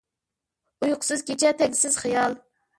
ئۇيقۇسىز كېچە تەگسىز خىيال!